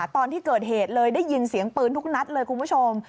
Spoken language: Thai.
ตอนที่เกิดเหตุเลยได้ยินเสียงปืนทุกนัดเลยคุณผู้ชม